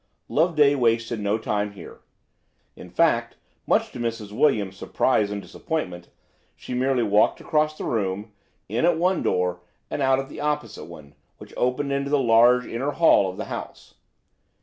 Loveday wasted no time here. In fact, much to Mrs. Williams's surprise and disappointment, she merely walked across the room, in at one door and out at the opposite one, which opened into the large inner hall of the house.